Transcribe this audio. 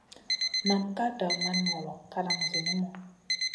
Nam ka daman ŋolo kalang zinimu.